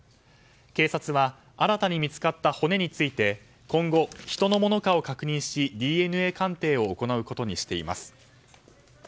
警察は新たに見つかった骨について今後、人のものかを確認しＤＮＡ鑑定を行うことにしています。